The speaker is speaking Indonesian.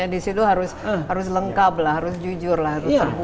disitu harus lengkap lah harus jujur lah